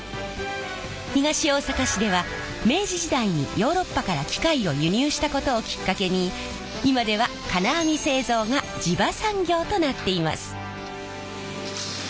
東大阪市では明治時代にヨーロッパから機械を輸入したことをきっかけに今では金網製造が地場産業となっています。